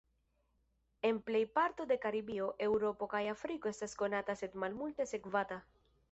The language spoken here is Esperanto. En plej parto de Karibio, Eŭropo kaj Afriko estas konata sed malmulte sekvata.